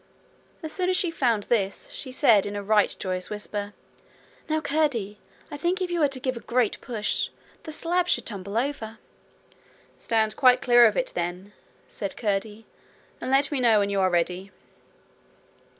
As soon as she found this, she said in a right joyous whisper: 'Now, Curdie, I think if you were to give a great push, the slab would tumble over.' 'Stand quite clear of it, then,' said Curdie, 'and let me know when you are ready.'